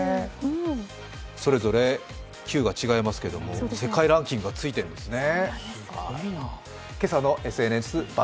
それぞれ級が違いますけれども世界ランキングがついているんですね。